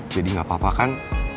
jadi gapapa kan